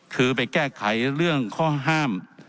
คือไปแก้ไขเรื่องข้อห้าม